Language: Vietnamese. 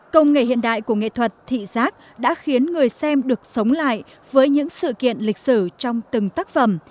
công nghệ hiện đại của nghệ thuật thị giác đã khiến người xem được sống lại với những sự kiện lịch sử trong từng tác phẩm